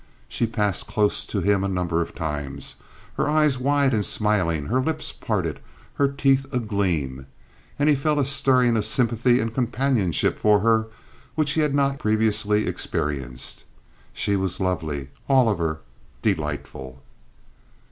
She passed close to him a number of times, her eyes wide and smiling, her lips parted, her teeth agleam, and he felt a stirring of sympathy and companionship for her which he had not previously experienced. She was lovely, all of her—delightful.